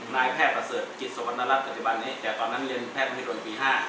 นายแพทย์เสิร์ตกฤทธ์สวรรณรัฐกฎิบันนี้แต่ก่อนนั้นเรียนแพทย์วัฒนธุ์ปี๕